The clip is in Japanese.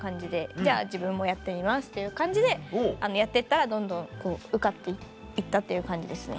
じゃあ自分もやってみますっていう感じでやってったらどんどん受かって行ったっていう感じですね。